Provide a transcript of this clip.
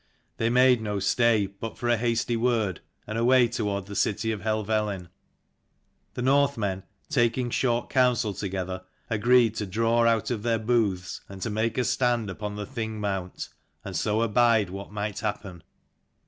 They made no stay, but for a hasty word, and away toward the city of Helvellyn. The Northmen, taking short counsel to gether, agreed to draw out of their booths, and to make a stand upon the Thingmount, and so abide what might happen.